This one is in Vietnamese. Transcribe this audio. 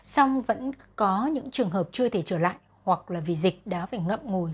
song vẫn có những trường hợp chưa thể trở lại hoặc vì dịch đã phải ngậm ngùi